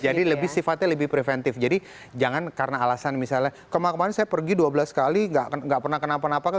jadi lebih sifatnya lebih preventif jadi jangan karena alasan misalnya kemarin saya pergi dua belas kali nggak pernah kenapa napa